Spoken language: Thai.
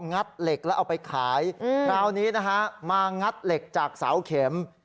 เหล็กแล้วเอาไปขายคราวนี้นะฮะมางัดเหล็กจากเสาเข็ม